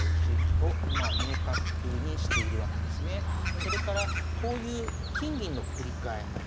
それからこういう金銀の繰り替え